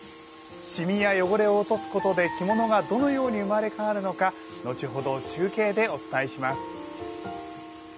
染みや汚れを落とすことで着物がどのように生まれ変わるのか後ほど中継でお伝えします。